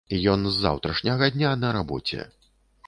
Ён з заўтрашняга дня на рабоце.